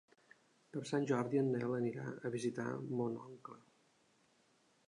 Per Sant Jordi en Nel anirà a visitar mon oncle.